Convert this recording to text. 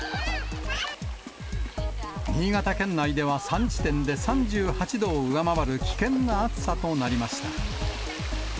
新潟県内では３地点で３８度を上回る危険な暑さとなりました。